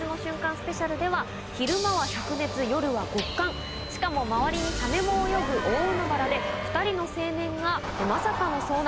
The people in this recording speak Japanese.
ＳＰでは昼間は灼熱夜は極寒しかも周りにサメも泳ぐ大海原で２人の青年がまさかの遭難。